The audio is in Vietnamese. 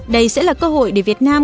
đây sẽ là cơ hội để việt nam